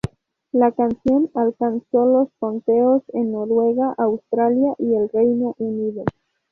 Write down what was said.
La canción alcanzó los conteos en Noruega, Australia y el Reino Unido.